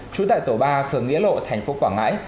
trú tại tổ ba phường nghĩa lộ thành phố quảng ngãi